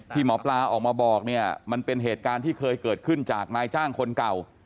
ที่หมอปลาออกมาบอกเนี่ยมันเป็นเหตุการณ์ที่เคยเกิดขึ้นจากนายจ้างคนเก่า